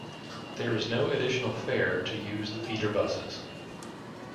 There is no additional fare to use the feeder buses.